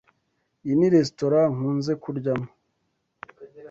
Iyi ni resitora nkunze kuryamo.